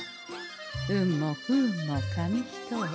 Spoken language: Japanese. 運も不運も紙一重。